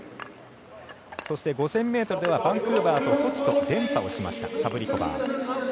そして５０００ｍではバンクーバーとソチと連覇をしました、サブリコバー。